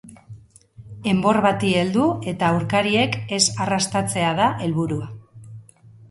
Enbor bati heldu eta aurkariek ez arrastatzea da helburua.